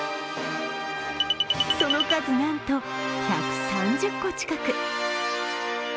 その数、なんと１３０個近く。